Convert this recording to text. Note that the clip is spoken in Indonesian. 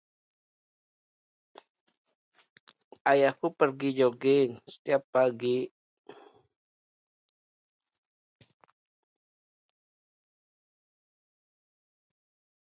Ayahku pergi joging setiap pagi.